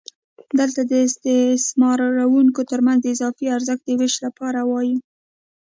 دلته د استثماروونکو ترمنځ د اضافي ارزښت د وېش په اړه وایو